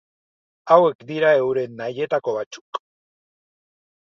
Hauek dira euren nahietako batzuk.